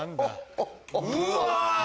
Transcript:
うわ！